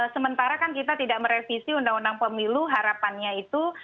sementara kan kita tidak merevisi undang undang pemilu harapannya itu